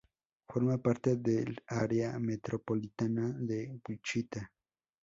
Forma parte del área metropolitana de Wichita.